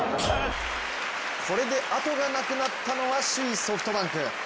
これで、あとがなくなったのは首位ソフトバンク。